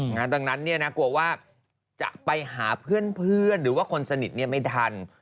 ดังนั้นเนี่ยนะกลัวว่าจะไปหาเพื่อนหรือว่าคนสนิทไม่ทัน